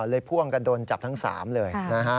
เลยพ่วงกันโดนจับทั้งสามเลย